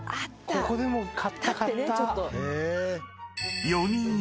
ここでも買った買った。